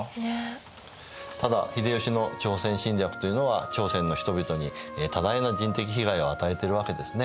ただ秀吉の朝鮮侵略というのは朝鮮の人々に多大な人的被害を与えているわけですね。